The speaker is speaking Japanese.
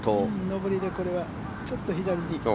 上りでこれはちょっと左に。